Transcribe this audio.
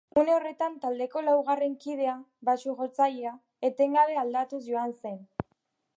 Une horretan taldeko laugarren kidea, baxu-jotzailea, etengabe aldatuz joan zen.